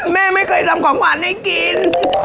แม่ไม่เคยทำของหวานให้กิน